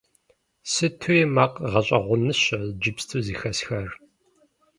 Сытуи макъ гъэщӀэгъуэныщэ иджыпсту зэхэсхар!